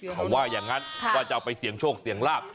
เขาว่าอย่างนั้นว่าจะเอาไปเสี่ยงโชคเสี่ยงลาบ